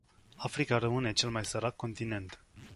Africa rămâne cel mai sărac continent.